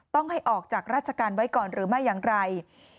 ต้องให้ออกจากราชการไว้ก่อนหรือไม่อย่างไร